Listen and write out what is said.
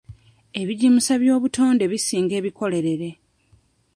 Ebigimusa by'obutonde bisinga ebikolerere.